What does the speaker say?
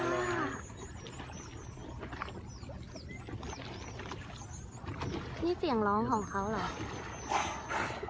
งี้เจียงรองห่องเขาหรอ